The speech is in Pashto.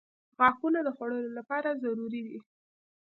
• غاښونه د خوړلو لپاره ضروري دي.